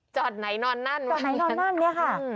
จอดไหนนอนนั่นจอดไหนนอนนั่นเนี่ยค่ะ